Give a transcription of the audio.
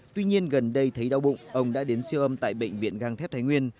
tuy nhiên gần đây thấy đau bụng ông đã đến siêu âm tại bệnh viện găng thép thái nguyên